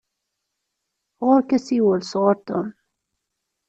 Ɣuṛ-k asiwel sɣuṛ Tom.